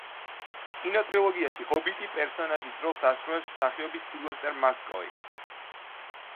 კინოტრილოგიაში „ჰობიტი“ პერსონაჟის როლს ასრულებს მსახიობი სილვესტერ მაკ-კოი.